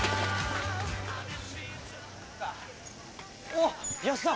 おお安田。